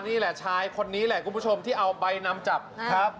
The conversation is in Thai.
นี่แหละชายคนนี้แหละคุณผู้ชมที่เอาใบนำจับครับ